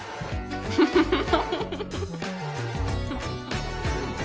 フフフフフ！